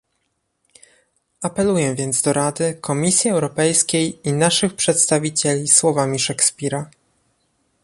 Apeluję więc do Rady, Komisji Europejskiej i naszych przedstawicieli słowami Szekspira